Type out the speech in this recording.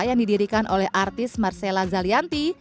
yang didirikan oleh artis marcella zalianti